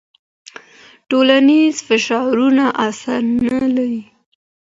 ټولنیز فشارونه اثر نه لري.